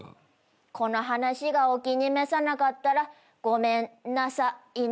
この話がお気に召さなかったらごめんなさいね。